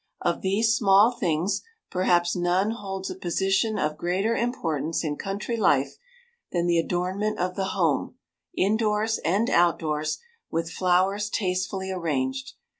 Of these small things perhaps none holds a position of greater importance in country life than the adornment of the home, indoors and outdoors, with flowers tastefully arranged.